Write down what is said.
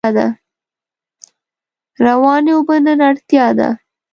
روانې اوبه نن اړتیا ده.